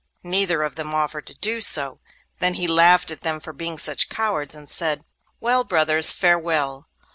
Neither of them offered to do so. Then he laughed at them for being such cowards, and said: 'Well, brothers, farewell!